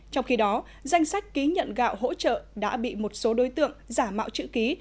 trong khi đó danh sách ký nhận gạo hỗ trợ đã bị một số đối tượng giả mạo chữ ký